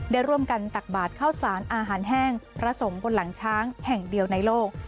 ได้ร่วมกันตักบาทข้าวสารอาหารแห้งพระสงฆ์บนหลังช้างแห่งเดียวในโลก